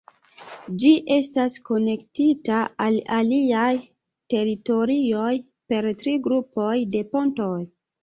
Ĝi estas konektita al aliaj teritorioj per tri grupoj de pontoj.